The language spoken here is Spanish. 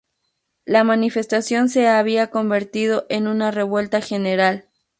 La manifestación se había convertido en una revuelta general.